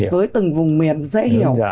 với từng vùng miền dễ hiểu